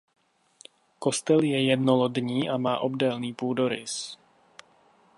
Kostel je jednolodní a má obdélný půdorys.